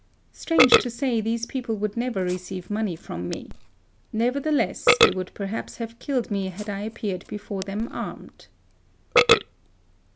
Strange to say, these people would never receive money from me. Nevertheless, they would perhaps have killed me had I appeared before them armed."